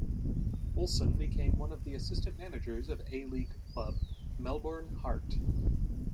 Olsen became one of the Assistant Managers of A-League club, Melbourne Heart.